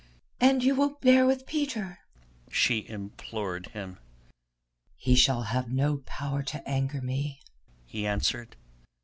"And you will bear with Peter?" she implored him. "He shall have no power to anger me," he answered.